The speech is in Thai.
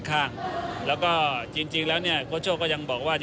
กุศือใหญ่ทีมชาติไทยได้บอกว่า